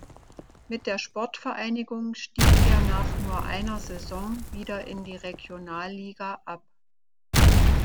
Mit der Sportvereinigung stieg er nach nur einer Saison wieder in die Regionalliga ab.